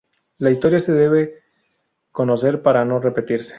La historia se debe conocer para no repetirse.